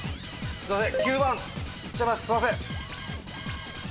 すいません。